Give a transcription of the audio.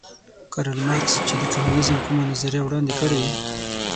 کارل مارکس چې د کمونیزم کومه نظریه وړاندې کړې